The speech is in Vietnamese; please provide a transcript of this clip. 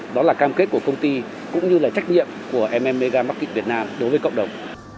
đó là cam kết của công ty cũng như là trách nhiệm của mega market việt nam đối với cộng đồng